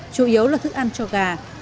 chủ yếu là thức ăn cho gà